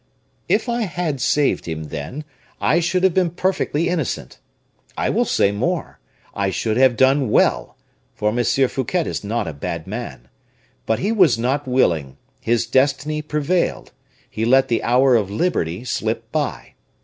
"If I had saved him then, I should have been perfectly innocent; I will say more, I should have done well, for M. Fouquet is not a bad man. But he was not willing; his destiny prevailed; he let the hour of liberty slip by.